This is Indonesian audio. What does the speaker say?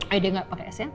ayo deh gak pake es ya